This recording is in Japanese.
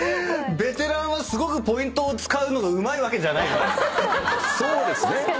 ベテランはすごくポイントを使うのがうまいわけじゃない。